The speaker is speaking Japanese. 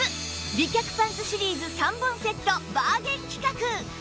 美脚パンツシリーズ３本セットバーゲン企画